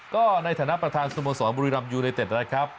ก็ในฐานะประธานสมสรรค์บุรีรัมย์ยูเลเต็ดนะครับ